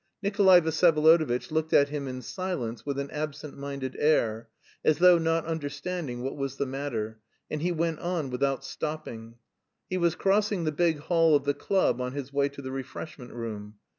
Nikolay Vsyevolodovitch looked at him in silence with an absent minded air, as though not understanding what was the matter, and he went on without stopping. He was crossing the big hall of the club on his way to the refreshment room.